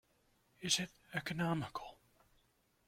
Is it economical?